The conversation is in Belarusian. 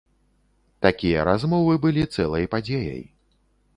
Такія размовы былі цэлай падзеяй.